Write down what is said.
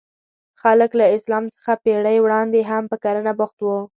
خلک له اسلام څخه پېړۍ وړاندې هم په کرنه بوخت وو.